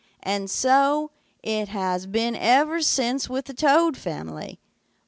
And so it has been ever since with the Toad family.